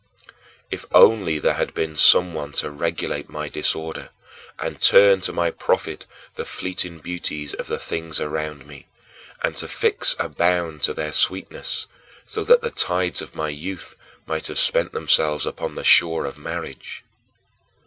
3. If only there had been someone to regulate my disorder and turn to my profit the fleeting beauties of the things around me, and to fix a bound to their sweetness, so that the tides of my youth might have spent themselves upon the shore of marriage!